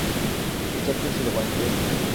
এটা কী ছিল বাইঞ্চোদ?